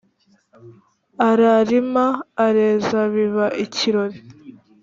Ararima areza biba ikirori